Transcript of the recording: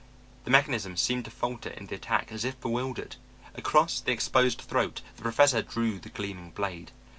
The mechanism seemed to falter in the attack, as if bewildered. Across the exposed throat the Professor drew the gleaming blade.